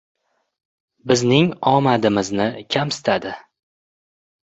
Bizning omadimizni kamsitadi!